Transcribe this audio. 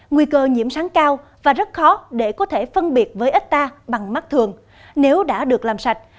nguy cơ nhiễm sáng cao và rất khó để có thể phân biệt với ít ta bằng mắt thường nếu đã được làm sạch